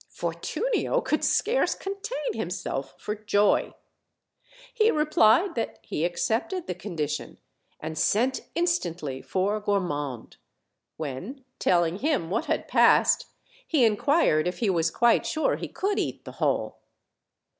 Fortunio could scarce contain himself for joy. He re plied that he accepted the condition, and sent instantly for Gormand, when, telling him what had passed, he in quired if he was quite sure he could eat the whole.